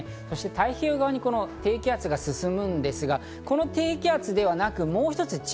そして太平洋側に低気圧が進むんですが、この低気圧ではなく、もう一つ